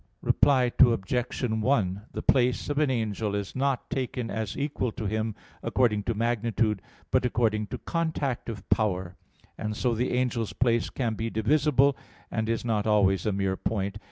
Reply Obj. 1: The place of an angel is not taken as equal to him according to magnitude, but according to contact of power: and so the angel's place can be divisible, and is not always a mere point.